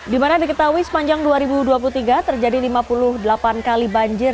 dimana diketahui sepanjang dua ribu dua puluh tiga terjadi lima puluh delapan kali banjir